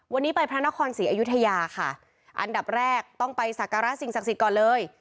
วันนี้ไปพระนครศรีอยุธยาค่ะอันดับแรกต้องไปสักการะสิ่งศักดิ์สิทธิ์ก่อนเลย